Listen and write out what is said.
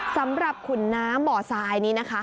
สำหรับขุนน้ำบ่อสายนี้นะคะ